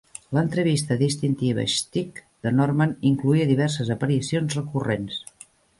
L'entrevista distintiva "shtick" de Norman incloïa diverses aparicions recurrents.